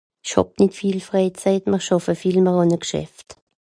esch hàb nìt viel freizeit mr schàffe viel mr hàn e G'schäfft